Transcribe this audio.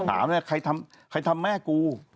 ถามเลยใครทำแม่กู